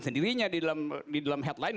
sendirinya di dalam headline